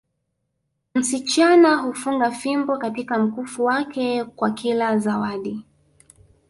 Msichana hufunga fimbo katika mkufu wake kwa kila zawadi